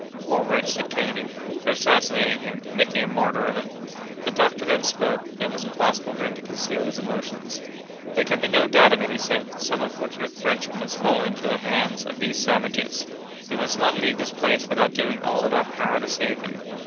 "Poor wretch!" said Kennedy, "they're assassinating him—making a martyr of him!" The doctor then spoke, and it was impossible for him to conceal his emotions. "There can be no doubt of it," he said; "some unfortunate Frenchman has fallen into the hands of these savages. We must not leave this place without doing all in our power to save him.